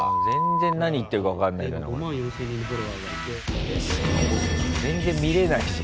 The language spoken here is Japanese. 全然何言ってるか分かんないじゃない。